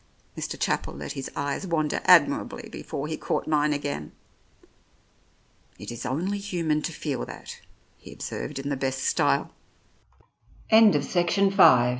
Mr. Chapel let his eyes wander admirably before he caught mine again. "It is only human to feel that," he observed in the best styl